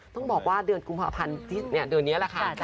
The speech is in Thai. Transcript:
ต้องบอกว่าเดือนกุมภาพันธ์เดือนนี้แหละค่ะ